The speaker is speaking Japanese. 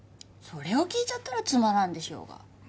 それを聞いちゃったらつまらんでしょうが。